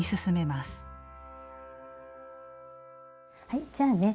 はいじゃあね